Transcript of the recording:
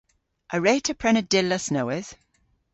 A wre'ta prena dillas nowydh?